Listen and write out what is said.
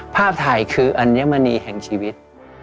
ภาพถ่ายคืออัญมณีแห่งชีวิต